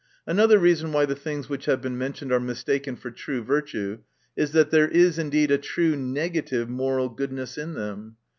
Another reason why the things which have been mentioned are mistaken for true virtue, is, that there is indeed a true negative moral goodness in them.